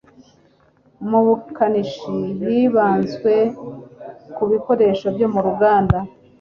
mubukanishi hibanzwe ku ibukoresho byo mu nganda